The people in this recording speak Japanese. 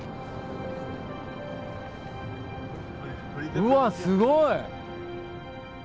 うわすごい！